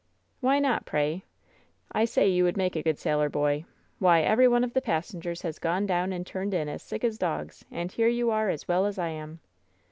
"Why not, pray? I say you would make a splendid sailor boy! Why, every one of the passengers has gone down and turned in as sick as dogs, and here you are as well as I am!"